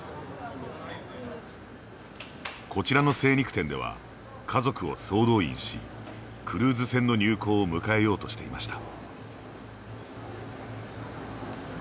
こちらの精肉店では家族を総動員しクルーズ船の入港を迎えようとしていました。